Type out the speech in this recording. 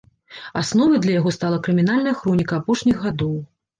Асновай для яго стала крымінальная хроніка апошніх гадоў.